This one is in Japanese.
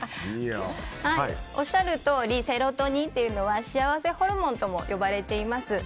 おっしゃるとおりセロトニンというのは幸せホルモンとも呼ばれています。